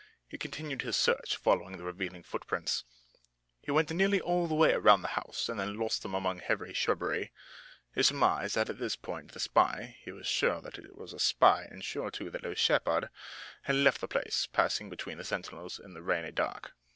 He continued his search, following the revealing foot prints. He went nearly all the way around the house and then lost them among heavy shrubbery. He surmised that at this point the spy he was sure that it was a spy and sure, too, that it was Shepard had left the place, passing between the sentinels in the rainy dark.